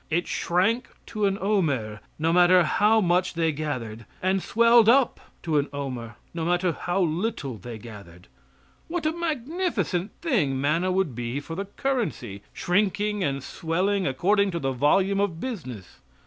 It shrank to an omer, no matter how much they gathered, and swelled up to an omer, no matter how little they gathered. What a magnificent thing manna would be for the currency, shrinking and swelling according to the volume of business!